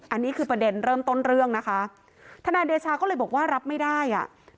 อันนี้คือประเด็นเริ่มต้นเรื่องนะคะทนายเดชาก็เลยบอกว่ารับไม่ได้อ่ะ